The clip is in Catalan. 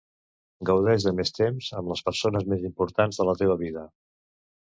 Gaudeix de més temps amb les persones més importants de la teva vida.